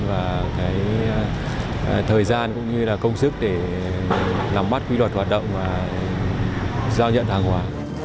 và cái thời gian cũng như là công sức để nắm bắt quy luật hoạt động và giao nhận hàng hóa